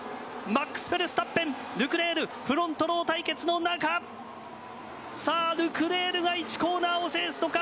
フェルスタッペン、ルクレールフロントロウ対決の中さあルクレールが１コースを制すのか。